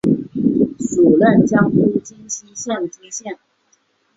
署任江苏荆溪县知县。